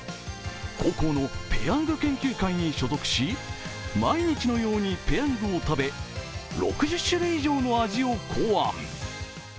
高校のペヤング研究会に所属し毎日のようにペヤングを食べ６０種類以上の味を考案。